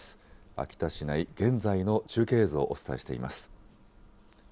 秋田市内、現在の中継映像をお伝えしています。